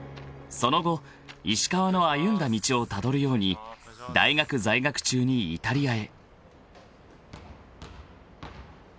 ［その後石川の歩んだ道をたどるように大学在学中にイタリアへ］